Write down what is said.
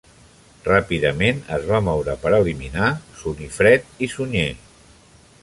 Ràpidament es va moure per eliminar Sunifred i Sunyer.